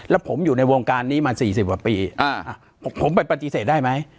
แล้วผมอยู่ในวงการนี้มาสี่สิบบาทปีอ่าผมไปปฏิเสธได้ไหม